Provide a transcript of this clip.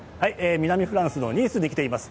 南フランスのニースに来ています。